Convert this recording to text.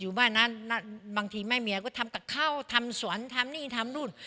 อยู่บ้านเนาะบางทีไม่มีอะไรก็ทำตะเข้าทำสวนทำนี่ทำนู้น